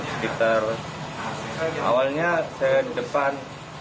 sekitar awalnya saya di depan